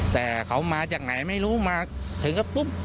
แต่เขามาจากไหนไม่รู้มาถึงก็ปุ๊บ